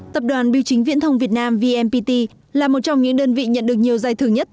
tập đoàn biểu chính viễn thông việt nam vnpt là một trong những đơn vị nhận được nhiều giải thưởng nhất